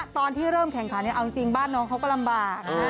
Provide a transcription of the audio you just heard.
ตอนที่เริ่มแข่งขนเนี้ยเอาจริงบ้านเขาก็ลำบาก